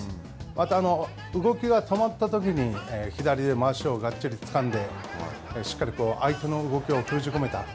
また、動きが止まったときに左でまわしをがっちりつかんでしっかり相手の動きを封じ込めた。